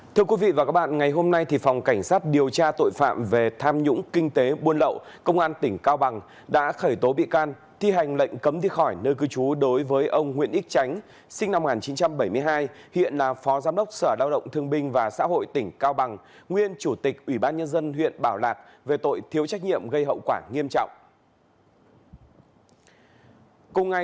thưa quý vị và các bạn ngày hôm nay phòng cảnh sát điều tra tội phạm về tham nhũng kinh tế buôn lậu công an tỉnh cao bằng đã khởi tố bị can thi hành lệnh cấm đi khỏi nơi cư trú đối với ông nguyễn ích chánh sinh năm một nghìn chín trăm bảy mươi hai hiện là phó giám đốc sở đao động thương binh và xã hội tỉnh cao bằng nguyên chủ tịch ủy ban nhân dân huyện bảo lạt về tội thiếu trách nhiệm gây hậu quả nghiêm trọng